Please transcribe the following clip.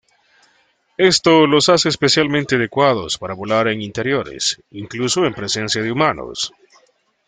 Esto los hace especialmente adecuados para volar en interiores, incluso en presencia de humanos.